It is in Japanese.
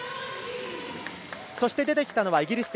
そして、出てきたのはイギリス。